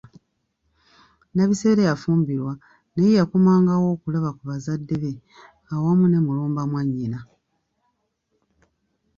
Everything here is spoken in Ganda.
Nabisere yafumbirwa naye yakomangawo okulaba ku bazade be awamu ne Mulumba mwannyina.